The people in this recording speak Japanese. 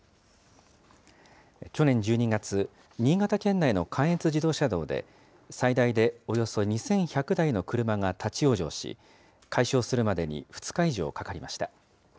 去年１２月、新潟県内の関越自動車道で、最大でおよそ２１００台の車が立往生し、解消するまでに２日以上かかりました。